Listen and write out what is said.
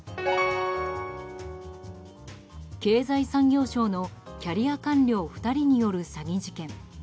経済産業省のキャリア官僚２人による詐欺事件。